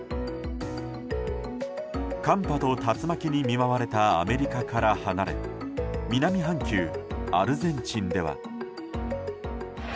寒波と竜巻に見舞われたアメリカから離れ南半球アルゼンチンでは。